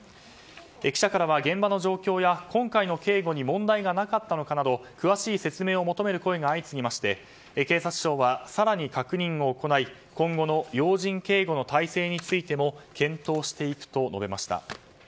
記者からは、現場の状況や今回の警護に問題がなかったのかなど声が相次ぎ、警察庁は更に確認を行い今後の要人警護の体制についても検討していくと述べました。